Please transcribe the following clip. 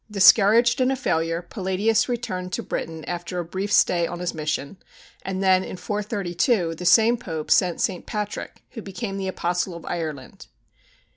Discouraged and a failure, Palladius returned to Britain after a brief stay on his mission, and then, in 432, the same Pope sent St. Patrick, who became the Apostle of Ireland.